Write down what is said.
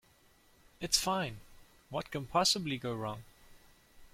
It's fine. What can possibly go wrong?